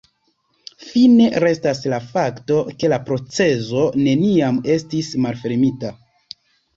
Fine restas la fakto ke la procezo neniam estis malfermita.